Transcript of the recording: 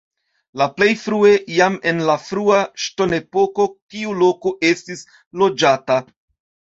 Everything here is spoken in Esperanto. La plej frue jam en la frua ŝtonepoko tiu loko estis loĝata.